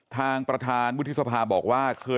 ทางประธานวุฒิสภาบอกว่าเคย